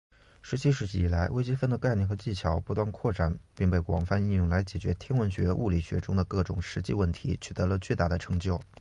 十七世纪以来，微积分的概念和技巧不断扩展并被广泛应用来解决天文学、物理学中的各种实际问题，取得了巨大的成就。